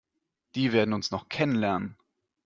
Die werden uns noch kennenlernen!